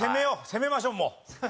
攻めましょうもう。